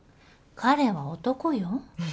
彼は男よ。